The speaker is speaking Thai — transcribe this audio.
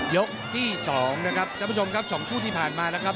ยกที่๒นะครับท่านผู้ชมครับ๒คู่ที่ผ่านมานะครับ